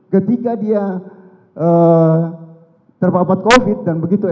ketika dia terpapat covid dan begitu